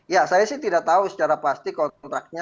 ya saya sih tidak tahu secara pasti kontraknya